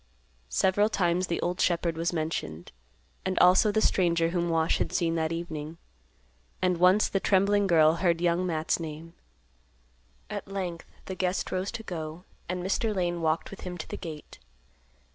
Several times the old shepherd was mentioned, and also the stranger whom Wash had seen that evening. And once, the trembling girl heard Young Matt's name. At length the guest rose to go, and Mr. Lane walked with him to the gate.